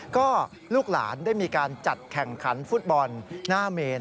ก็ลูกหลานได้มีการจัดแข่งขันฟุตบอลหน้าเมน